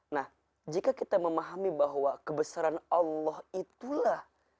nah jika kita memahami bahwa kebesaran allah itulah